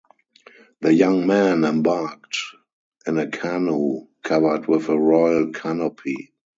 The young man embarked in a canoe covered with a royal canopy.